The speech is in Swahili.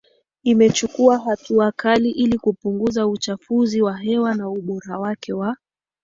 imechukua hatua kali ili kupunguza uchafuzi wa hewa na ubora wake wa